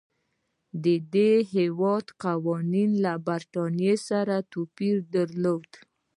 د دې هېواد قوانینو له برېټانیا سره توپیر درلود.